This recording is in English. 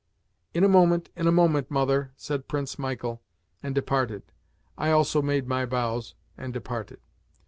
"In a moment, in a moment, mother," said Prince Michael, and departed. I also made my bows and departed.